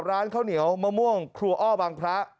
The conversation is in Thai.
ร้านข้าวเหนียวมะม่วงครัวอ้อบางพระ